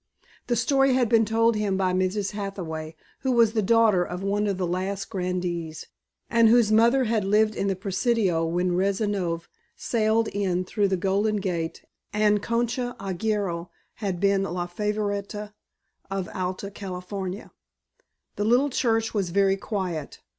The story had been told him by Mrs. Hathaway, who was the daughter of one of the last of the grandees, and whose mother had lived in the Presidio when Rezanov sailed in through the Golden Gate and Concha Arguello had been La Favorita of Alta California. The little church was very quiet.